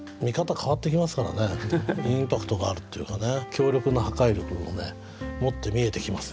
強力な破壊力を持って見えてきますよね。